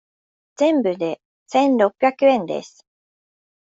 全部で千六百円です。